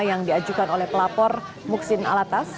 yang diajukan oleh pelapor muksin alatas